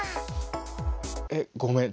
えごめん。